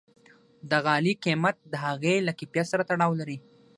د غالۍ قیمت د هغې له کیفیت سره تړاو لري.